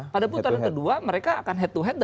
pada putaran kedua mereka akan head to head